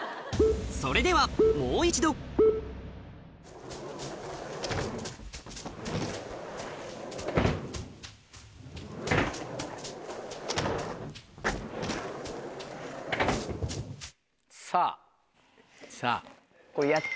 それではもう一度さぁさぁ。